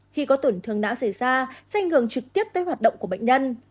khi có tổn thương não xảy ra sẽ ngừng trực tiếp tới hoạt động của bệnh nhân